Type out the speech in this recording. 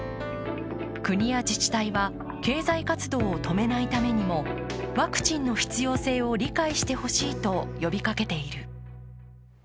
国や自治体は経済活動を止めないためにもワクチンの必要性を理解してほしいと呼びかけている。